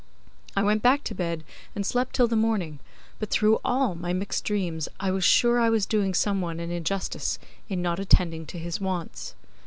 I went back to bed and slept till the morning, but through all my mixed dreams I was sure I was doing some one an injustice in not attending to his wants.